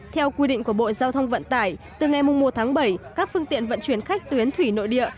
theo quy định của bộ giao thông vận tải từ ngày một tháng bảy các phương tiện vận chuyển khách tuyến thủy nội địa